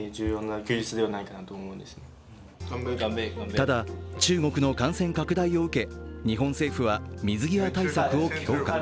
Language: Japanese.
ただ、中国の感染拡大を受け日本政府は水際対策を強化。